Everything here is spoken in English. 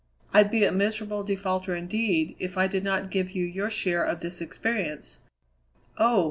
I'd be a miserable defaulter, indeed, if I did not give you your share of this experience. Oh!